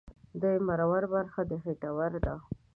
د مرور برخه د خېټور ده